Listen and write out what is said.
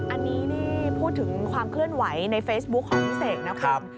อันนี้นี่พูดถึงความเคลื่อนไหวในเฟซบุ๊คของพี่เสกนะคุณ